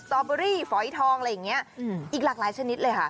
ตอเบอรี่ฝอยทองอะไรอย่างนี้อีกหลากหลายชนิดเลยค่ะ